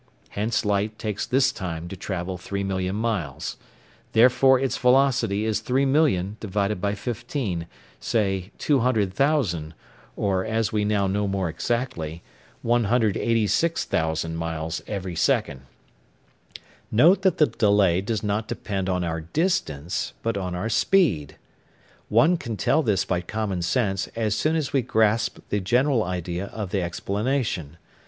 Hence light takes this time to travel three million miles; therefore its velocity is three million divided by fifteen, say 200,000, or, as we now know more exactly, 186,000 miles every second. Note that the delay does not depend on our distance, but on our speed. One can tell this by common sense as soon as we grasp the general idea of the explanation.